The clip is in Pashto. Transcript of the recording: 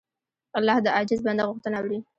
الله د عاجز بنده غوښتنه اوري.